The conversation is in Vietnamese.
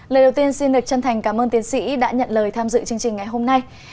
lời đầu tiên xin được chân thành cảm ơn tiến sĩ đã nhận lời tham dự chương trình ngày hôm nay